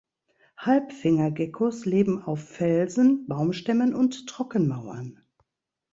Halbfinger-Geckos leben auf Felsen, Baumstämmen und Trockenmauern.